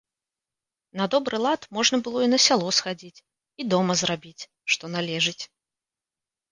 На добры лад, можна было і на сяло схадзіць і дома зрабіць, што належыць.